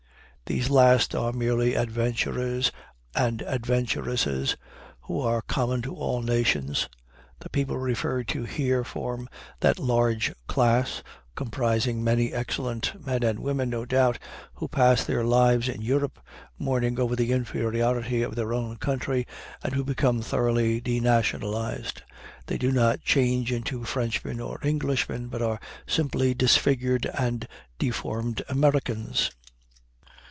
These last are merely adventurers and adventuresses, who are common to all nations. The people referred to here form that large class, comprising many excellent men and women, no doubt, who pass their lives in Europe, mourning over the inferiority of their own country, and who become thoroughly denationalized. They do not change into Frenchmen or Englishmen, but are simply disfigured and deformed Americans.